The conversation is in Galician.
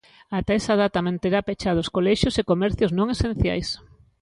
Ata esa data manterá pechados colexios e comercios non esencias.